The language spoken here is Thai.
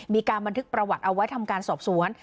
มีการบันทึกประวัติเอาไว้ทำการสอบสวน